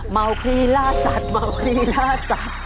เมาคลีล่าสัตว์เมาพรีล่าสัตว์